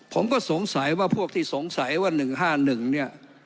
ผมก็สงสัยว่าพวกที่สงสัยว่า๑๕๑เนี่ย